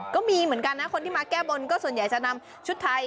ก็มีเหมือนกันนะคนที่มาแก้บนก็ส่วนใหญ่จะนำชุดไทย